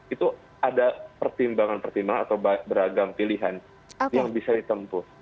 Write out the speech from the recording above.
itu ada pertimbangan pertimbangan atau beragam pilihan yang bisa ditempuh